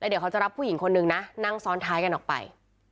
เดี๋ยวเขาจะรับผู้หญิงคนนึงนะนั่งซ้อนท้ายกันออกไป